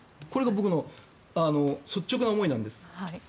これが僕の率直な思いなんです。